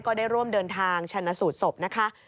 ก็ได้ร่วมเดินทางชนะสูตรศพนะคะ